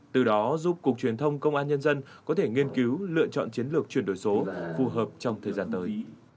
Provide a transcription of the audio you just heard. từ đó giúp cục truyền thông công an nhân dân có thể nghiên cứu lựa chọn chiến lược chuyển đổi số phù hợp trong thời gian tới